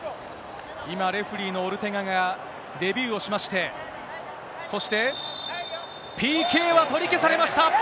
今、レフェリーのオルテガがレビューをしまして、そして、ＰＫは取り消されました！